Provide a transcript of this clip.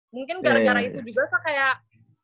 mungkin gara gara itu juga saya kayak